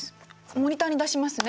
モニターに出しますね。